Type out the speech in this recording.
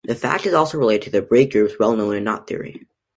This fact is also related to the braid groups well known in knot theory.